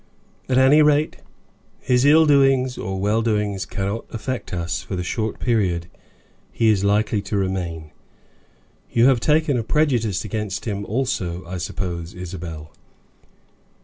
"At any rate, his ill doings or well doings cannot affect us for the short period he is likely to remain. You have taken a prejudice against him also, I suppose, Isabel."